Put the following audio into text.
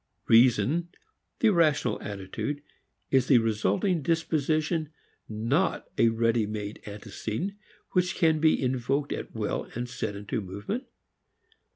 Reason, the rational attitude, is the resulting disposition, not a ready made antecedent which can be invoked at will and set into movement.